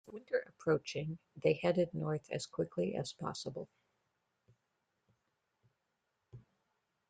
With winter approaching, they headed north as quickly as possible.